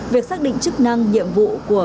việc xác định chức năng nhiệm vụ của